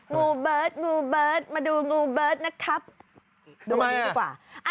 งูเบิร์ตงูเบิร์ตมาดูงูเบิร์ตนะครับดูวันนี้ดีกว่า